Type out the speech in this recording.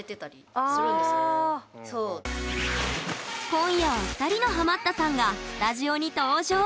今夜は２人のハマったさんがスタジオに登場。